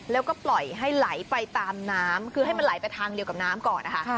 แล้วก็ปล่อยให้ไหลไปตามน้ำคือให้มันไหลไปทางเดียวกับน้ำก่อนนะคะ